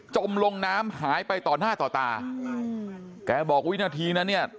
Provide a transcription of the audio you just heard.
จมลงน้ำหายไปต่อหน้าต่อตาแกบอกวินาทีนั้นเนี่ย